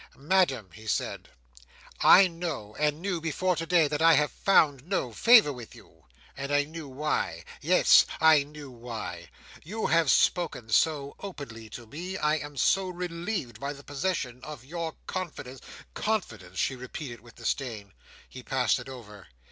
"Madam," he said, "I know, and knew before today, that I have found no favour with you; and I knew why. Yes. I knew why. You have spoken so openly to me; I am so relieved by the possession of your confidence—" "Confidence!" she repeated, with disdain. He passed it over.